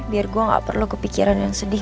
biar gue gak perlu kepikiran yang sedih